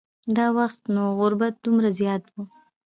دا وخت نو غربت دومره زیات و.